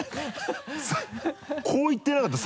こういってなかった？